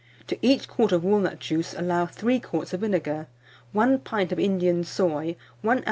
To each quart of walnut juice allow 3 quarts of vinegar, 1 pint of Indian soy, 1 oz.